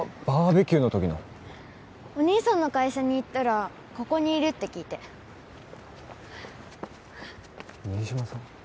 バーベキューの時のお兄さんの会社に行ったらここにいるって聞いて新島さん